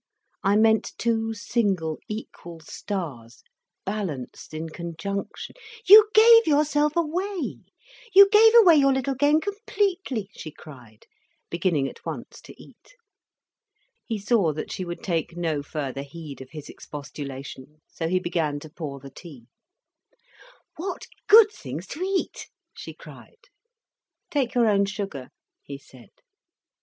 I meant two single equal stars balanced in conjunction—" "You gave yourself away, you gave away your little game completely," she cried, beginning at once to eat. He saw that she would take no further heed of his expostulation, so he began to pour the tea. "What good things to eat!" she cried. "Take your own sugar," he said.